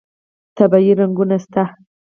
طبیعي رنګونه شته.